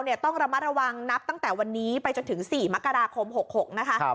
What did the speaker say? ต้องระมัดระวังนับตั้งแต่วันนี้ไปจนถึง๔มกราคม๖๖นะคะ